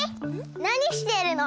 なにしてるの？